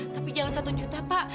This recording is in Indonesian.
tapi jangan satu juta pak